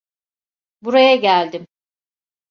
Buraya geldim.